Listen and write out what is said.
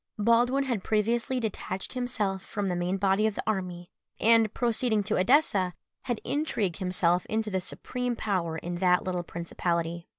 Baldwin had previously detached himself from the main body of the army, and, proceeding to Edessa, had intrigued himself into the supreme power in that little principality.